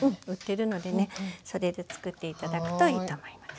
それでつくって頂くといいと思います。